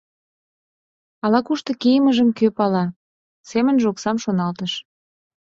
Ала-кушто кийымым кӧ пала?» — семынже оксам шоналтыш.